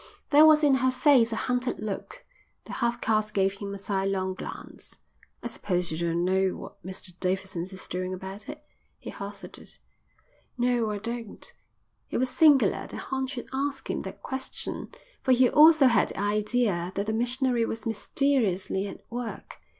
There was in her face a hunted look. The half caste gave him a sidelong glance. "I suppose you don't know what Mr Davidson is doing about it?" he hazarded. "No, I don't." It was singular that Horn should ask him that question, for he also had the idea that the missionary was mysteriously at work.